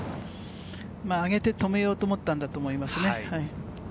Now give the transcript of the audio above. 上げて止めようと思ったんだと思います。